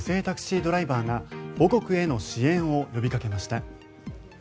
タクシードライバーが母国への支援を呼びかけました。